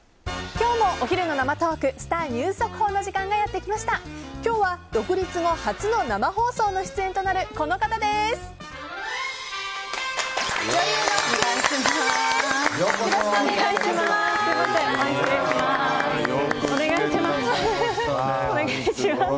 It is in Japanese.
今日は独立後初の生放送の出演となる女優の福田沙紀さんです。